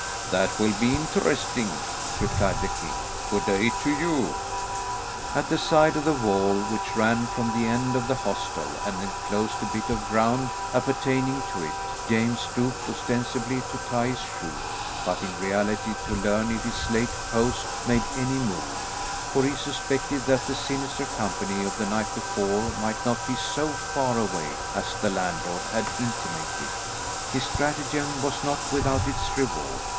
"That will be interesting," replied the king. "Good day to you." [Illustration: "FIVE STALWART RUFFIANS FELL UPON HIM."] At the side of the wall, which ran from the end of the hostel and enclosed a bit of ground appertaining to it, James stooped ostensibly to tie his shoe, but in reality to learn if his late host made any move, for he suspected that the sinister company of the night before might not be so far away as the landlord had intimated. His stratagem was not without its reward.